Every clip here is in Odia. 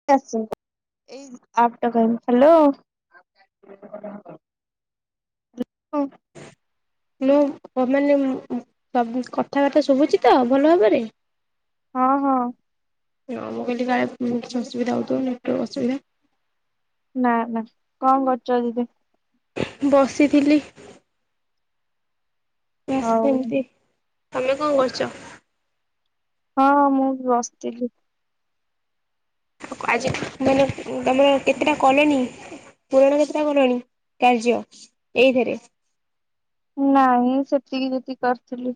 [unintelligible] ହ୍ୟାଲୋ ହଁ ମୁଁ [inaudible] ସବ କଥାବାର୍ତ୍ତା ଶୁଭୁଛି ତ ଭଲ ଭାବରେ। ହଁ ହଁ। ହଁ ମୁଁ କହିଲି କାଳେ କିଛି ଅସୁବିଧା ହଉଥିବ ନେଟୱର୍କ ଅସୁବିଧା। ନା ନା କଣ କରୁଛ ଦିଦି। ବସିଥିଲି। ବସ ହଉ ସେମିତି ତମେ କଣ କରୁଛ? ହଁ ମୁଁ ବସିଥିଲି। ଆଜି ମାନେ ତମର କେତେଟା କଲେଣି? ପୁରଣ [inaudible] କଣଣିୀ କାର୍ଯ୍ୟ ଏଇଥିରେ ନାଇଁ ସେତିକି ଯେତିକି କରିଥିଲି।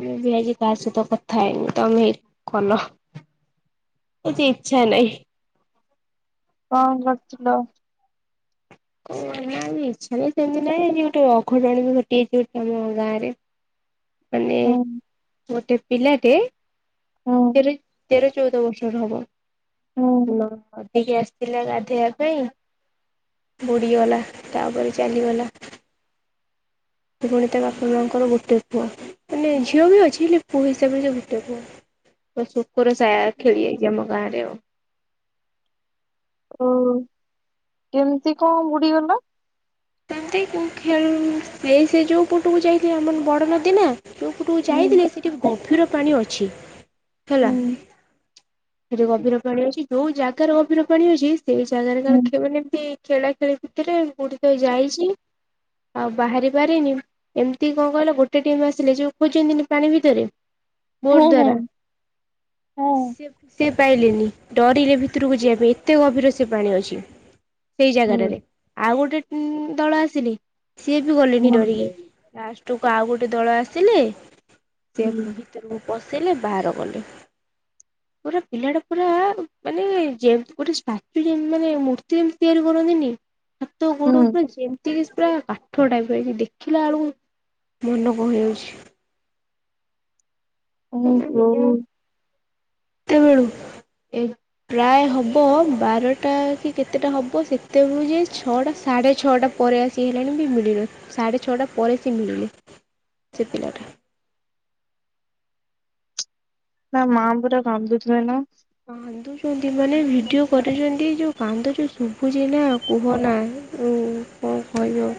ମୁ ବି ଆଜି ତା ସହିତ କଥା ହେଇନି ତମେ ଏଇ କଲ। କିଛି ଇଚ୍ଛା ନାହିଁ। କଣ କରୁଥିଲ? ଇଚ୍ଛା ବି ସେମିତି ନାହିଁ ଗୋଟେ ଅଘଟଣ ବି ଘଟିଯାଇଛି ଗୋଟେ ଆମ ଗାଁ ରେ। ମାନେ ହୁଁ ଗୋଟେ ପିଲାଟେ ହୁଁ ତେର ତେର ଚଉଦ ବର୍ଷର ହବ। ହୁଁ ହେଇକି ଆସିଥିଲା ଗାଧେଇବା ପାଇଁ ବୁଡିଗଲା ତାପରେ ଚାଲିଗଲା। ସେ ପୁଣି ତା ବାପା ମାଆଙ୍କର ଗୋଟେ ପୁଅ ମାନେ ଝିଅ ବି ଅଛି ହେ ପୁଅ ହିସାବରେ ସେ ଗୋଟେ ପୁଅ। ବ ଶୋକର ସାୟା ଖେଳିଯାଇଛି ଆମ ଗାଁରେ ଆଉ। ଓ କେମିତି କଣ ବୁଡିଗଲା? ସେମତି ଖେଳ ଏଇ ସେ ଯୋଉ ପଟକୁ ଯାଇଥିଲେ ଆମର ବଡ ନଦୀ ନା। ଯୋଉ ତୁଠୁକୁ ହୁଁ ଯାଇଥିଲେ ସେଠି ଗଭୀର ପାଣି ଅଛି। ହେଲା ହୁଁ ସେଠି ଗଭୀର ପାଣି ଅଛି ଯୋଉ ଜାଗାର ଗଭୀର ପାଣି ଅଛି। ସେଇ ଜାଗାରେ ହୁଁ କାଣ ଏମତି ଖେଳା ଖେଳି ଭିତରେ କୋଠି ତ ଯାଇଛି। ଆଉ ବାହାରି ପାରିନି। ଏମିତି କଣ କହିଲ ଗୋଟେ ଟିମ୍ ଆସିଲେ ଯଉ ଖୋଜନ୍ତିନି ପାଣି ଭିତରେ। ହୁଁ ବୋଟ ହୁଁ ଦ୍ୱାରା ହଁ ସେ ସେ ପାଇଲେନି ଡରିଲେ ଭିତରକୁ ଯିବା ପାଇଁ ଏତେ ଗଭୀର ସେ ପାଣି ଅଛି। ସେଇ ହୁଁ ଜାଗାଟାରେ ଆଉ ଗୋଟେ ଦଳ ଆସିଲେ ସିଏ ବି ଗଲେନି ହୁଁ ଡରିକି। ଲାଷ୍ଟକୁ ଆଉ ଗୋଟେ ଦଳ ଆସିଲେ ସେ ଭିତରକୁ ପସିଲେ ବାହାର କଲେ। ପୁରା ପିଲା ଟା ପୁରା ମାନେ ଯେ ଗୋଟେ [inaudible] ମାନେ ମୂର୍ତ୍ତି ଯେମିତି ତିଆରି କରନ୍ତିନି। ହାତ ହୁଁ ଗୋଡ। ହୁଁ ଏତି ପୁରା କାଠ ଟାଇପକି ଦେଖିଲା ବେଳକୁ ମନ କଣ ହେଇଯାଉଛି। ଓ ଚାଲ। ହଉ ତେବେଳୁ ଏ ପ୍ରାୟ ହବ ବାରଟା କି କେତେଟା ହବ ସେତେବେଳେ ଯେ ଛଅଟା ସାଢେ ଛଅଟା ପରେ ଆସ ସିଏ ହେଲାଣି ବି ମିଳିଲା ସାଢ଼େ ଛଅଟା ପରେ ସିଏ ମିଳିଲେ ସେ ପିଲାଟା। ତା ମାଆ ପୁରା କାନ୍ଦୁଥିବେ ନା। କାନ୍ଦୁଛନ୍ତି ମାନେ ଭିଡିଓ କରୁଛନ୍ତି ଯୋଉ କାନ୍ଦୁଚ ଶୁଭୁଛି ନା। କୁହନା ଯୋଉ କଣ କହିବି ଆଉ।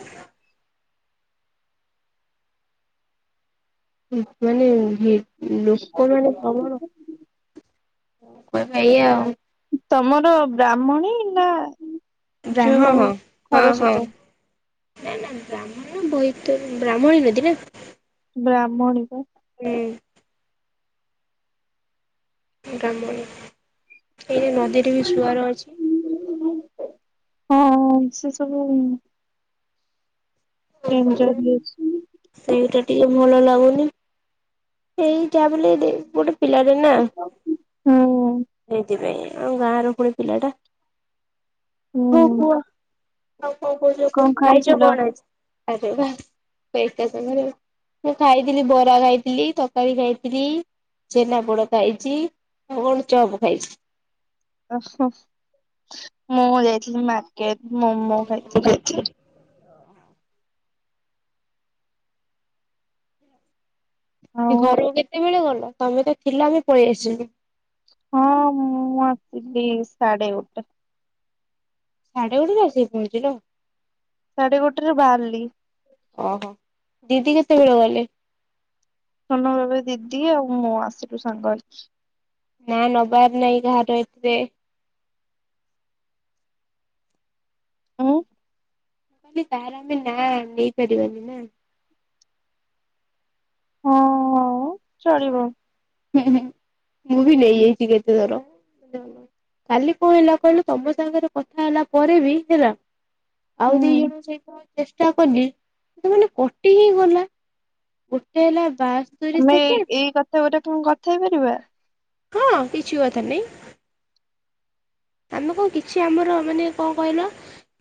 ଠିକ୍ ମାନେ ଯିଏ ଲୋକମାନେ ତମର ମାନେ ଏୟା ଆଉ। ତମର ବ୍ରାହ୍ମଣୀ ନା ଯୋଉ ବ୍ରାହହ, ହଁ ହଁ। ଖରସ୍ରୋତା ନା ନା ବ୍ରାହ୍ମଣ ନା ବୋଇତରଣୀ ବ୍ରାହ୍ମଣୀ ନଦୀ ନା। ବ୍ରାହ୍ମଣୀ ପା। ହୁଁ। ଏ କାମରେ, ଏଇଠି ନଦୀରେ ବି ସୁୁଆର ଅଛି। ହଁ, ହଁ ସେ ସବୁ ଏନ୍ ଅଛି। ଜଏ ଦେଇ ସେଇଟା ଟିକେ ଭଲ ଲାଗୁନି, ଏଇ ତା ବୋଲି ଦେ ଗୋଟେ ପିଲାରେ ନା, ହୁଁ ସେଇଥିପାଇଁ ଆଉ ଗାଁ ର ଫୁଣି ପିଲାଟା। ହଁ ହୁଁ କୁହ? ଆଉ କଣ କୁହୁଛ କଣ କୁହ? ଖାଇଛ ଖାଇଥିଲ? କଣ ଆଜି? ପେ ଏକା ସାଙ୍ଗରେ। ମୁଁ ଖାଇଥିଲି ବରା ଖାଇଥିଲି, ତରକାରୀ ଖାଇଥିଲି ଛେନା ପୋଡ ଖାଇଛି, ଆଉ କଣ ଚପ୍ ଖାଇଛି। ଓହୋ। ମୁଁ ଯାଇଥିଲି ମାର୍କେଟ୍ ମୋମୋ ଖାଇଥିଲି। ଏ ଆଉ ଘରକୁ କେତେବେଳେ ଗଲ? ତମେ ତ ଥିଲ ଆମେ ପଳେଇ ଆସିଲୁ। ହଁ ମୁଁ ଆସିଲି ସାଢେ ଗୋଟେ। ସାଢେ ଗୋଟେରେ ଆସିକି ପହଞ୍ଚିଲ? ସାଢେ ଗୋଟେରେ ବାହାରିଲି। ଓହୋ। ଦିଦି କେତେବେଳେ ଗଲେ? ସନ ବେବେ, ଦିଦି ଆଉ ମୁଁ ଆସିଲୁ ସାଙ୍ଗ ହେଇକି। ନା ନବାର ନାହିଁ କାହାର ଏତେ। ଉଁ। କି ତାର ଆମେ ନା ନେଇପାରିବାନି। ନା ହଁ ହଁ, ଚଳିବ। ହୁଁ ହୁଁ। ମୁଁ ବି ନେଇଯାଇଛି କେତେଥର। କାଲି କଣ ହେଲା କହିଲୁ ତମ ସାଙ୍ଗରେ କଥା ହେଲା ପରେ ବି ହେଲା ଆଉ ଦି ହୁଁ ଜଣ ସେଇ ପ -ଚେଷ୍ଟା କଲି। ସେ ମାନେ କଟି ହିଁ ଗଲା। ଗୋଟେ ହେଲା ବାସ୍ ଆମେ ଏଇ କଥା ଗୁଡା କଣ କଥା ହେଇ ପାରିବା? ହଁ କିଛି କଥା ନାଇଁ। ଆମେ କଣ କିଛି ଆମର ମାନେ କଣ କହିଲ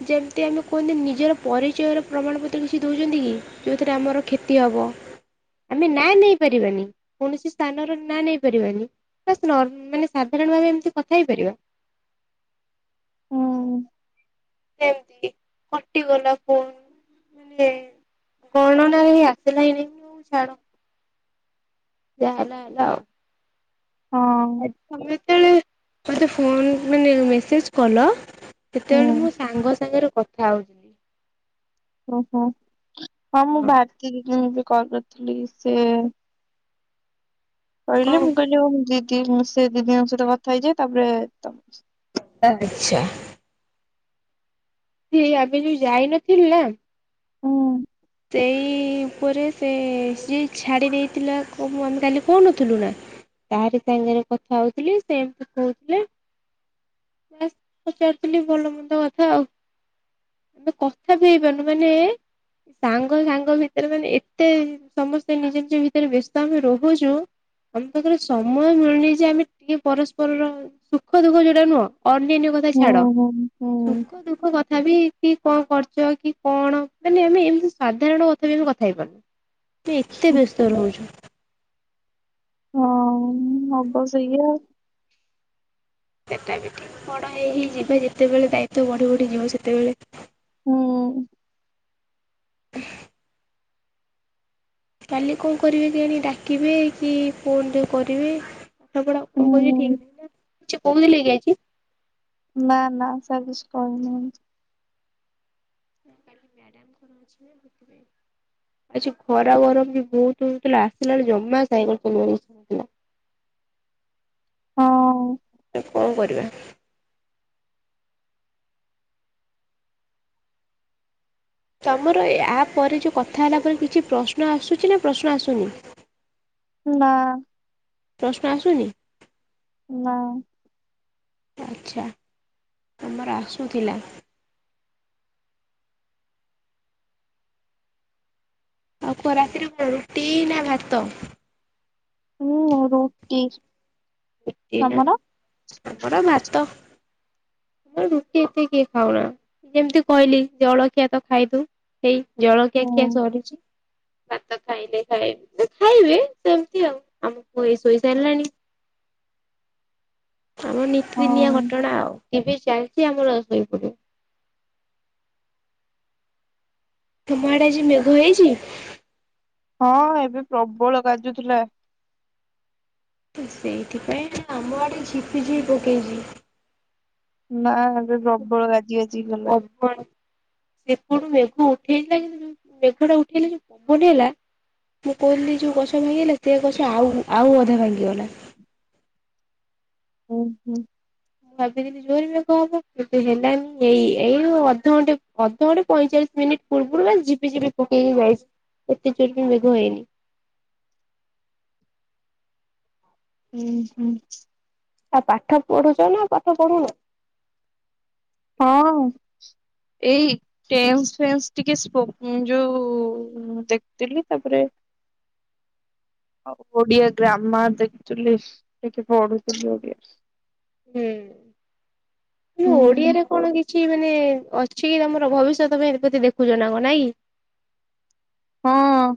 ଯେମ୍ତି ଆମେ କୁହନ୍ତିନି, ନିଜର ପରିଚୟର ପ୍ରମାଣପତ୍ର କିଛି ଦେଉଛନ୍ତି କି? ଯୋଉ ଥିରେ ଆମର କ୍ଷତି ହବ? ଆମେ ନା ନେଇ ପାରିବାନି। କୌଣସି ସ୍ଥାନ ର ନାଁ ନେଇ ପାରିବାନି। ବାସ୍ ନିର୍ମ- ମାନେ ସାଧାରଣ ଭାବେ ଏମିତି କଥା ହେଇପାରିବା? ହୁଁ ଯେମ୍ ତି କଟିଗଲା ଫୋନ୍ ସେ ଗଣନାରେ ହିଁ ଆସିଲାଇ ନାହିଁ। ଛାଡ। ଜାହା ହେଲା ହେଲା, ଆଉ। ହଁ ଆ ତମେ ଯେତେବେଳେ ମତେ ଫୋନ୍ ମାନେ ମେସେଜ୍ କଲ ହୁଁ ସେତେବେଳେ ମୁଁ ସାଙ୍ଗ ସାଙ୍ଗରେ କଥା ହୋଉ ଓହୋ। ହଁ ମୁଁ ଭାର୍ତି ଦିଦିଙ୍କୁ ବି କଲ୍ କରିଥିଲି। ସେ କଣ କହିଲେ ମୁଁ କହିଲି ହୋଉ, ମୁଁ ଟି ମୁଁ ସେ ଦିଦିଙ୍କ ସହିତ କଥା ହେଇଯାଏ। ତାପରେ ତ ଆଛା। ସେ ଆମେ ଯୋଉ ଯାଇନଥିଲୁ ନା ହୁଁ। ସେଇ ଉପରେ ସେ, ସିଏ ଛାଡ଼ି ଦେଇଥିଲା, କ ମାନେ କାଲି କହୁନଥିଲୁ ନା? ତାହାରି ସାଙ୍ଗରେ କଥା ହଉଥିଲି, ସେ ଏମିତି କହୁଥିଲେ। ବାସ୍ ପଚାରୁଥିଲି ଭଲ ମନ୍ଦ କଥା ଆଉ। ଆମେ କଥା ବି ହେଇପାରୁନୁ। ମାନେ ସାଙ୍ଗ ସାଙ୍ଗ ଭିତରେ ମାନେ ଏତେ ସମସ୍ତେ ନିଜ ନିଜ ଭିତରେ ବ୍ୟସ୍ତ ଆମେ ରହୁଚୁ ଆମ ପାଖରେ ସମୟ ମିଳୁନି ଯେ ଆମେ ଟିକେ ପରସ୍ପରର ସୁଖ ଦୁଃଖ ଯୋଉଟା ନୁହଁ ଅନ୍ୟାନ୍ୟ କଥା ହୁଁ ଛାଡ। ହୁଁ ହୁଁ ସୁଖ ଦୁଃଖ କ ତଥାପି କି କଣ କରୁଚ କି କଣ ମାନେ ଆମେ ଏମିତି ସାଧାରଣ କଥା ବି ଆମେ କଥା ହେଇପାରୁନୁ। ଏତେ ଏତେ ବ୍ୟସ୍ତ ରହୁଚୁ। ହଁ ହବ ସେଇଆ। ସେଟା ବି ଠିକ୍। ବଡ ହେଇ ହେଇ ଯିବା ଯେତେବେଳେ ଦାୟିତ୍ୱ ବଢି ବଢି ଯିବ ସେତେବେଳେ ହୁଁ। କାଲି କଣ କରିବେ କେଜାଣି ଡାକିବେ କି ଫୋନରେ କରିବେ। ପାଠ ପଢା ହୁଁ [unintelligible] ଠିକ୍ ନାହିଁ ନା। କିଛି କହୁଥିଲେ କିି ଆଜି? ନା ନା ସାର୍ କିଛି କହିନାହାନ୍ତି। ନା କାଲି ମ୍ୟାଡାମ୍ ଙ୍କର ଅଛି ନା ସେଥିପାଇଁ। ଆଜି ଖରା ଗରମ ବି ବହୁତ ହଉଥିଲା, ଆସିଲା ବେଳେ ଜମା ସାଇକେଲ ଚଲେଇ ହଉନଥିଲା। ହଁ। କଣ କରିବା। ତମର ଏ ଆ ପରେ ଯୋଉ କଥା ହେଲା ପରେ କିଛି ପ୍ରଶ୍ନ ଆସୁଚି ନା ପ୍ରଶ୍ନ ଆସୁନି? ନା। ପ୍ରଶ୍ନ ଆସୁନି? ନା। ଆଚ୍ଛା। ଆମର ଆସୁଥିଲା। ଆଉ କୁହ ରାତିରେ କଣ ରୁଟି ନା ଭାତ? ଉଁ ରୁଟି। ରୁଟି ନା। ତମର ଆମର ଭାତ। ଆମର ରୁଟି ଏତେ କିଏ ଖାଉନା। ଯେମିତି କହିଲି ଜଳଖିଆ ତ ଖାଇଦଉ। ହେଇ ଜଳଖିଆ ହୁଁ ଖିଆ ସରିଚି। ଭାତ ଖାଇଲେ ଖାଇ ଖାଇବେ ସେମିତି ଆଉ। ଆମକୁ ଏଇ ଶୋଇ ସାରିଲାଣି। [inaudible] ଆମର ହଁ ନିତିଦିନିଆ ଘଟଣା ଆଉ। ଟିଭି ଚାଲିଚି ଆମର ଶୋଇପଡିବୁ। ତମ ଆଡେ ଆଜି ମେଘ ହେଇଚି? ହଁ ଏବେ ପ୍ରବଳ ଗାଜୁ ଥିଲା। ସେଇଥିପାଇଁ ଆମ ଆଡେ ଝିପିଝିପି ପକେଇଚି। ନା ଏବେ ପ୍ରବଳ ଗାଜି ଗାଜିି କି ଗଲା। ପ୍ରବଳ, ସେପଟୁ ମେଘ ଉଠେଇଲା କିନ୍ତୁ ଯୋଉ ମେଘ ଟା ଉଠେଇଲେ ଯୋଉ ପବନ ହେଲା ମୁଁ କହିଲି ଯୋଉ ଗଛ ଭାଙ୍ଗିଗଲା। ସେ ଗଛ ଆଉ ଆଉ ଅଧା ଭାଙ୍ଗିଗଲା। ଉଁ ହୁଁ। ମୁଁ ଭାବିଥିଲି ଜୋରେ ମେଘ ହବ କିନ୍ତୁ ହେଲାନି ଏଇ ଏଇ ଅଧଘଣ୍ଟେ ଅଧଘଟେ ପଇଁଚାଳିଶ ମିନିଟ୍ ପୂର୍ବରୁ ବା ଝିିପିଝିିପି ପକେଇକି ଯାଇଚି। ଏତେ ଜୋରେ ବି ମେଘ ହେଇନି। ଉଁ ହୁଁ। ଆ ପାଠ ପଢୁଚ ନା ପାଠ ପଢୁନ? ହଁ। ଏଇ ଟେନ୍ସ ଫେନ୍ସ ଟିକେ ସ୍ପୋ ଯୋଉ ଦେଖୁଥିଲି। ତାପରେ ଆଉ ଓଡିଆ ଗ୍ରାମାର୍ ଦେଖୁଥିଲି। ଟିକେ ପଢ଼ୁଥିଲି ଓଡ଼ିଆ। ହୁଁ। ମୁଁ ହୁଁ ଓଡିଆରେ କଣ କି କିଛି ମାନେ ଅଛି କି ତମର ଭବିଷ୍ୟତ ପାଇଁ ବୋଧେ ଦେଖୁଚ ନାଇଁ କି? ହଁ।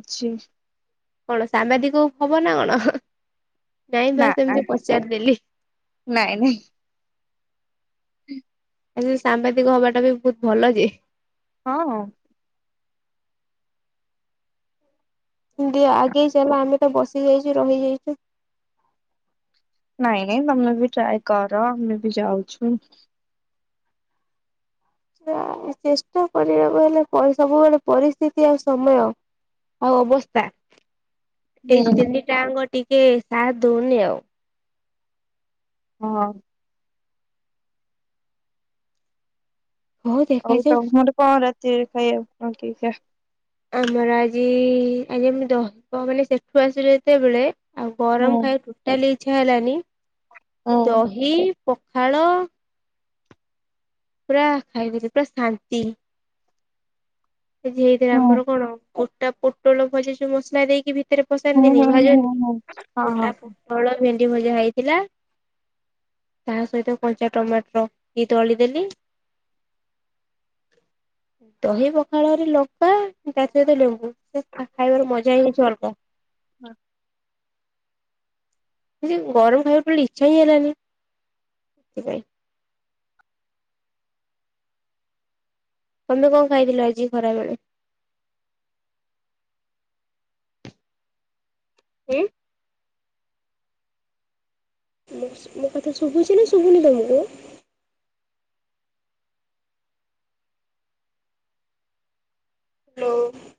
ଅଛି। କଣ ସାମ୍ବାଦିକ ହବ ନା କଣ? ନାଇଁ ନା ବା ନା ସେମିତି ପଚାରିଦେଲି। ନାଇଁ ନାଇଁ। ହୁଁ। ଆ ସେ ସାମ୍ବାଦିକ ହବା ଟା ବି ବହୁତ ଭଲ ଯେ। ହଁ। ଦ ଆଗେଇ ଚାଲ ଆମେ ତ ବସି ଯାଇଛୁ ରହିଯାଇଛୁ। ନାଇଁ ନାଇଁ ତମେ ବି ଟ୍ରାଏ କର ଆମେ ବି ଯାଉଛୁ। ଚେଷ୍ଟା କରିବାକୁ ହେଲେ ପ ସବୁବେଳେ ପରିସ୍ଥିତି ଆଉ ସମୟ ଆଉ ଅବସ୍ଥା ଏଇ ହୁଁ ତିନିଟାଙ୍କ ଟିକେ ସାଥ ଦଉନି ଆଉ। ହଁ। ହଉ ତମର କଣ ରାତିରେ ଖାଇବାକୁ [unintelligible] ଆମର ଆଜି ଆଜି ଆମ ଦହ ମାନେ ସେଠୁ ଆସିଲେ ଯେତେବେଳେ ଆଉ ହୁଁ ଗରମ ଖାଇବା ଟୋଟାଲି ଇଚ୍ଛା ହେଲାନି ହୁଁ ଦହି ପଖାଳ ପୁରା ଖାଇଦେଲି ପୁରା ଶାନ୍ତି। ସେ ଯେ ହେଇଥିଲା ହୁଁ ଆମର କଣ କୋଟା ପୋଟଲ ଭଜି ସୁ ମସଲା ଦେଇକି ଭି ତରେ ହୁଁ ପଶାନ୍ତିନି ହୁଁ ହୁଁ ଭାଜନ୍ତି ହୁଁ ହଁ ହଁ। କୋଟା ପୋଟଳ ଭେଣ୍ଡି ଭଜା ହେଇଥିଲା। ତା ସହିତ କଞ୍ଚା ଟମାଟର କି ତଳିଦେଲି ତହିବ ଖାଳରେ ଲଙ୍କା ତା ସହିତ ଲେମ୍ବୁ ସେ ଖାଇବାର ମଜା ହେଉଛି ଅଲଗା। ହଁ। କି ଗରମ ଖାଇବାକୁ ପିଲେ ଇଚ୍ଛା ହିଁ ହେଲାନି ସେଥିପାଇଁ। ତମେ କଣ ଖାଇଥିଲ ଆଜି ଖରାବେଳେ? [unintelligible] ମୁଁ ମୋ କଥା ଶୁଭୁଛି ନା ଶୁଭୁନି ତମକୁ? ହ୍ୟାଲୋ।